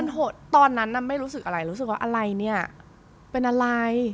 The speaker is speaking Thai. ตอนนั้นน่ะไม่รู้สึกอะไรรู้สึกว่าอะไรเนี่ยเป็นอะไร